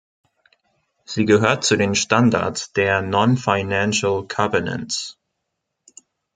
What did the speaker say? Sie gehört zu den Standards der Non-Financial Covenants.